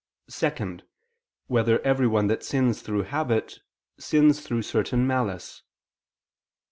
(2) Whether everyone that sins through habit, sins through certain malice?